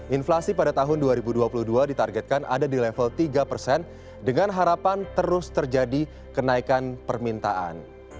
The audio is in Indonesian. inflasi pada tahun dua ribu dua puluh dua ditargetkan ada di level tiga persen dengan harapan terus terjadi kenaikan permintaan